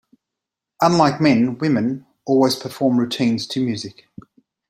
Unlike men, women always perform routines to music.